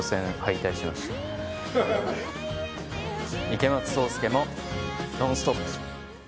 池松壮亮も「ノンストップ！」。